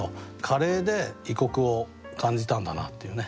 カレーで異国を感じたんだなっていうね。